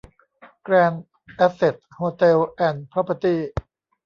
แกรนด์ แอสเสท โฮเทลส์ แอนด์ พรอพเพอร์ตี้